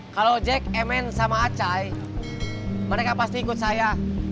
kalau jack emen sama acay mereka pasti ikut saya